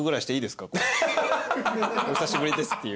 お久しぶりですっていう。